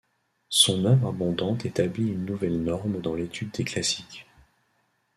Son œuvre abondante établit une nouvelle norme dans l'étude des classiques.